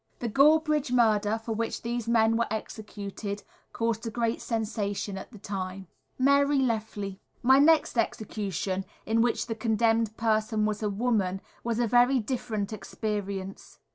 The Gorebridge murder, for which these men were executed, caused a great sensation at the time. [Illustration: Mary Lefley.] Mary Lefley. My next execution, in which the condemned person was a woman, was a very different experience.